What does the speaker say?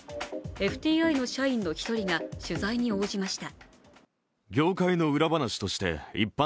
ＦＴＩの社員の１人が取材に応じました。